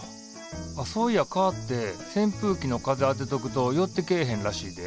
そういやかってせんぷうきの風当てとくと寄ってけえへんらしいで。